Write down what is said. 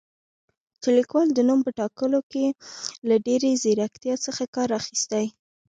چې لیکوال د نوم په ټاکلو کې له ډېرې زیرکتیا څخه کار اخیستی